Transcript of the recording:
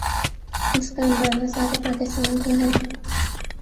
، اس کا اندازہ سارے پاکستان کو ہے۔